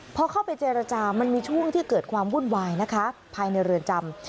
พอเข้าไปเจรจามันมีช่วงที่เกิดความวุ่นวายนะคะภายในเรือนจำ